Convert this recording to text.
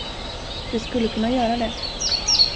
Du skulle kunna göra det.